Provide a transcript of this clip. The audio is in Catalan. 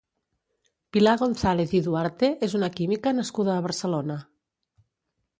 Pilar González i Duarte és una química nascuda a Barcelona.